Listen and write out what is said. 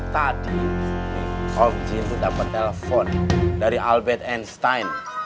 tadi om jin tuh dapet telepon dari albert einstein